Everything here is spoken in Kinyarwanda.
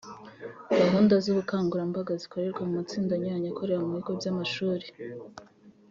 gahunda z’ubukangurambaga zikorerwa mu matsinda anyuranye akorera mu bigo by’amashuri